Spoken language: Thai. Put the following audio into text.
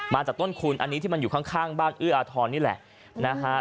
มาจากต้นคูณอันนี้ที่มันอยู่ข้างบ้านเอื้ออาทรนี่แหละนะฮะ